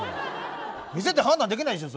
見せて判断できないでしょ。